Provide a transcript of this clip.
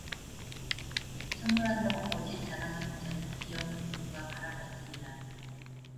선물한다고 거짓 자랑하는 자는 비 없는 구름과 바람 같으니라